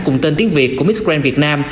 cùng tên tiếng việt của miss grand việt nam